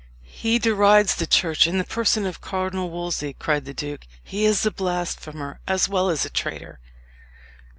"He derides the Church in the person of Cardinal Wolsey!" cried the duke. "He is a blasphemer as well as traitor."